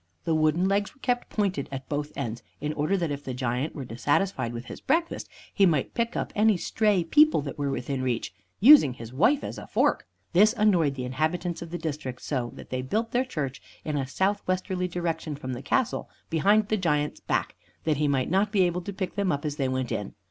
The wooden legs were kept pointed at both ends, in order that if the Giant were dissatisfied with his breakfast, he might pick up any stray people that were within reach, using his wife as a fork; this annoyed the inhabitants of the district, so that they built their church in a southwesterly direction from the castle, behind the Giant's back, that he might not be able to pick them up as they went in.